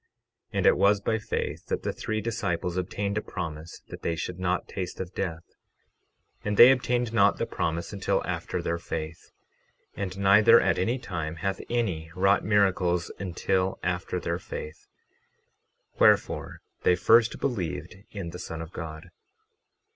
12:17 And it was by faith that the three disciples obtained a promise that they should not taste of death; and they obtained not the promise until after their faith. 12:18 And neither at any time hath any wrought miracles until after their faith; wherefore they first believed in the Son of God.